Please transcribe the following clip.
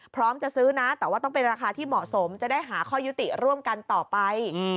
จะซื้อนะแต่ว่าต้องเป็นราคาที่เหมาะสมจะได้หาข้อยุติร่วมกันต่อไป